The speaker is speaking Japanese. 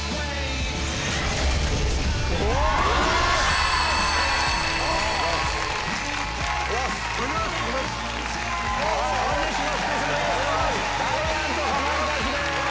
お願いします。